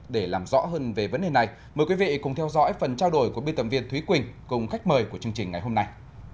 để làm rõ hơn về vấn đề này mời quý vị cùng theo dõi phần trao đổi của biên tập viên thúy quỳnh cùng khách mời của chương trình ngày hôm nay